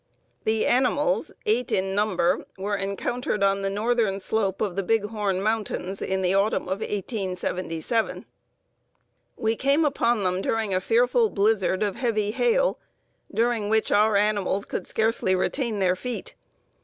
The animals (eight in number) were encountered on the northern slope of the Big Horn Mountains, in the autumn of 1877. "We came upon them during a fearful blizzard of heavy hail, during which our animals could scarcely retain their feet.